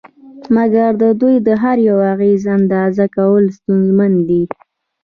مګر د دوی د هر یوه اغېز اندازه کول ستونزمن دي